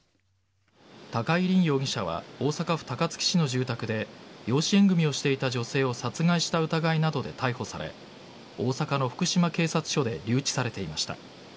高井凜容疑者は大阪府高槻市の住宅で養子縁組をしていた女性を殺害した疑いなどで逮捕され大阪の福島警察署で留置されていました。